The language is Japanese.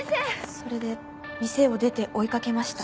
それで店を出て追い掛けました。